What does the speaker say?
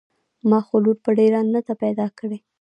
ما خو لور په ډېران نده پيدا کړې.